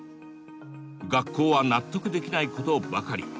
学校は納得できないことばかり。